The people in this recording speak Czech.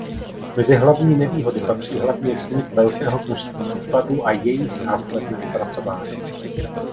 Mezi hlavní nevýhody patří hlavně vznik velkého množství odpadů a jejich následné zpracování.